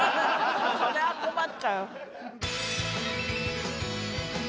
それは困っちゃう。